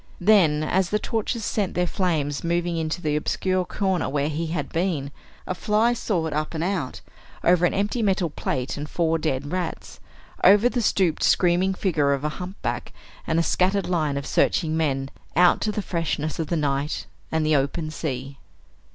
Then, as the torches sent their flames moving into the obscure corner where he had been, a fly soared up and out, over an empty metal plate and four dead rats, over the stooped screaming figure of a humpback, and a scattered line of searching men, out to the freshness of the night and the open sea.